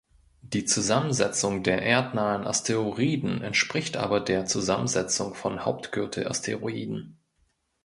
Die Zusammensetzung der erdnahen Asteroiden entspricht aber der Zusammensetzung von Hauptgürtel-Asteroiden.